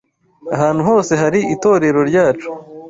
Ahantu hose hari itorero ryacu